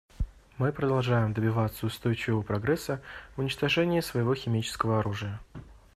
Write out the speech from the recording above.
Мы продолжаем добиваться устойчивого прогресса в уничтожении своего химического оружия.